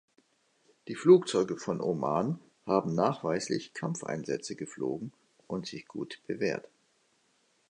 Die Flugzeuge von Oman haben nachweislich Kampfeinsätze geflogen und sich gut bewährt.